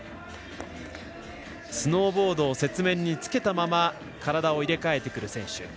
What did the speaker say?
スノーボードを雪面につけたまま体を入れ替えてくる選手。